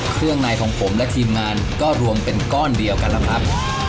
เครื่องในของผมและทีมงานก็รวมเป็นก้อนเดียวกันล่ะครับ